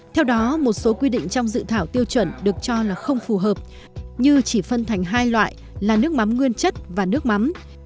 theo đó một số quy định trong dự thảo tiêu chuẩn được cho là không phù hợp như chỉ phân thành hai loại là nước mắm nguyên chất và nước mắm